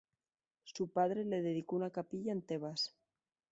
Su padre le dedicó una capilla en Tebas.